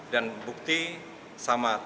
dan bukti sama